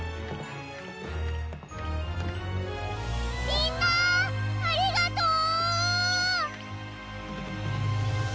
みんなありがとう！